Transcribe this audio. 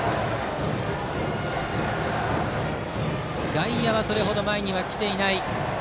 外野はそれ程前には来ていない。